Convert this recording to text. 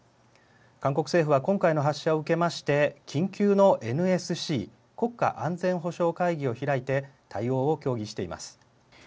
韓国政府は今回の発射を受けまして緊急のＮＳＣ・国家安全保障会議を開いて対応を協議しています。